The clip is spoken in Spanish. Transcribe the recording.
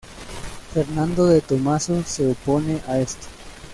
Fernando de Tomaso se opone a esto.